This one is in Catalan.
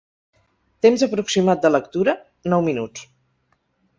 Temps aproximat de lectura: nou minuts.